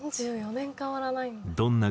「４４年変わらないんだ」